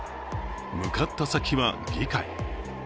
向かった先は議会。